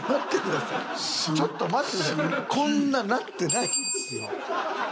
こんなんなってないですよ。